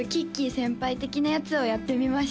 先輩的なやつをやってみました